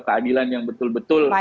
keadilan yang betul betul